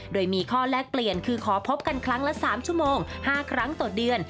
โดยมีข้อแลกเปลี่ยนคือขอพบกันครั้งละ๓ชั่วโมง๕ครั้งต่อเดือน